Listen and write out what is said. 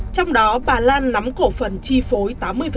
trong đó bà lan nắm cổ phần chi phối tám mươi